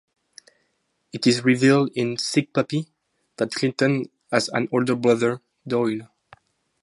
It is revealed in "Sick Puppy" that Clinton has an older brother, Doyle.